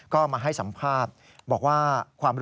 ก็มาให้สัมภาษณ์บอกว่า